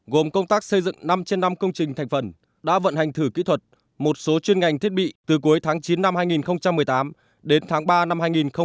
gồm công tác xây dựng năm trên năm công trình thành phần đã vận hành thử kỹ thuật một số chuyên ngành thiết bị từ cuối tháng chín năm hai nghìn một mươi tám đến tháng ba năm hai nghìn một mươi chín